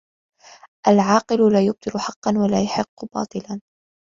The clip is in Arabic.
العاقل لا يبطل حقا ولا يحق باطلا